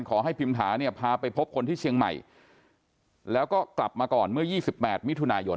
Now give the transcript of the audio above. ขอให้พิมถาเนี่ยพาไปพบคนที่เชียงใหม่แล้วก็กลับมาก่อนเมื่อ๒๘มิถุนายน